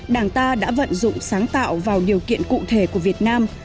đảng ta đã vận dụng sáng tạo vào điều kiện cụ thể của việt nam